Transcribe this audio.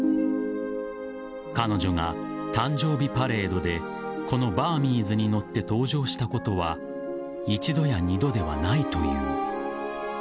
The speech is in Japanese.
彼女が誕生日パレードでこのバーミーズに乗って登場したことは一度や二度ではないという。